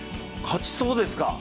勝ちそうですか？